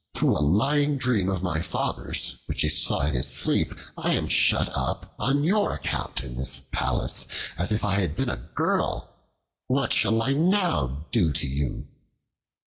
through a lying dream of my father's, which he saw in his sleep, I am shut up on your account in this palace as if I had been a girl: what shall I now do to you?"